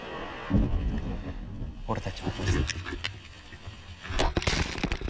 俺たちはどうする？